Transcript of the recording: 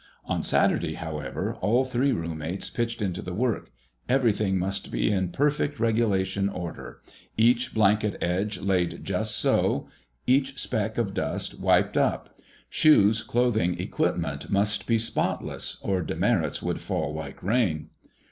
On Saturday, however, all three roommates pitched into the work. Everything must be in perfect, regulation order—each blanket edge laid just so, each speck of dust wiped up. Shoes, clothing, equipment must be spotless, or demerits would fall like rain.